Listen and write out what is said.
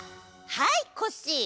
はいコッシー！